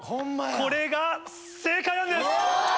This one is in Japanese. これが正解なんです！